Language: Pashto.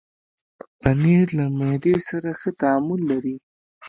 پنېر له معدې سره ښه تعامل لري.